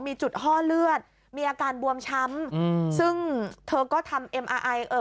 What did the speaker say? มีจุดห้อเลือดมีอาการบวมช้ำซึ่งเธอก็ทำอเอ่อ